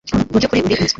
Mubyukuri uri umuswa